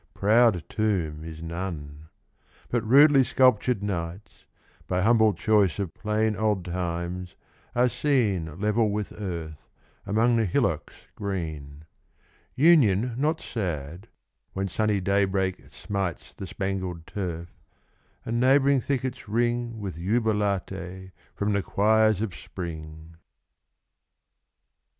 Proud tomb is none; but rudely sculptured knights, By humble choice of plain old times, are seen 10 Level with earth, among the hillocks green: Union not sad, when sunny daybreak smites The spangled turf, and neighbouring thickets ring With jubilate from the choirs of spring!